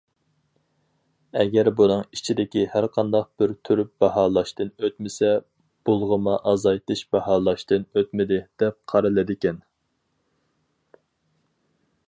ئەگەر بۇنىڭ ئىچىدىكى ھەرقانداق بىر تۈر باھالاشتىن ئۆتمىسە، بۇلغىما ئازايتىش باھالاشتىن ئۆتمىدى، دەپ قارىلىدىكەن.